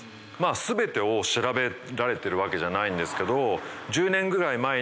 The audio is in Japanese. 全てを調べられてるわけじゃないんですけど。